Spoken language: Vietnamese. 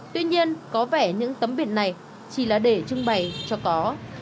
tuy nhiên có vẻ những tấm biển này chỉ là để trưng bày cho có